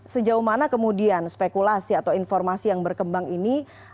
sejauh mana kemudian spekulasi atau informasi yang berkembang ini